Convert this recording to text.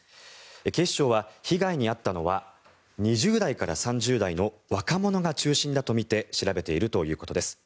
警視庁は被害に遭ったのは２０代から３０代の若者が中心だとみて調べているということです。